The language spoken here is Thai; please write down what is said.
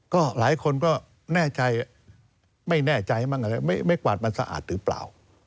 ก็หลายคนก็แน่ใจไม่แน่ใจมั่งอะไรไม่กวาดมันสะอาดหรือเปล่า